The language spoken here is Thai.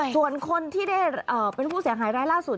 ส่วนคนที่ได้เป็นผู้เสียหายรายล่าสุด